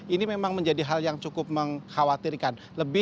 ini memang menjadi hal yang cukup mengkhawatirkan